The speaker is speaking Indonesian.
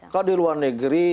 kalau di luar negeri